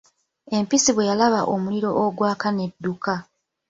Empisi bwe yalaba omuliro ogwaka n'edduka.